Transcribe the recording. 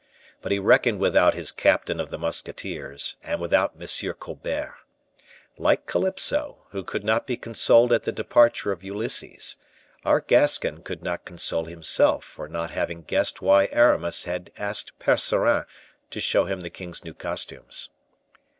But he reckoned without his captain of the musketeers, and without M. Colbert. Like Calypso, who could not be consoled at the departure of Ulysses, our Gascon could not console himself for not having guessed why Aramis had asked Percerin to show him the king's new costumes.